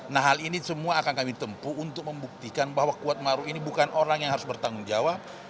nah hal ini semua akan kami tempuh untuk membuktikan bahwa kuat ⁇ maruf ⁇ ini bukan orang yang harus bertanggung jawab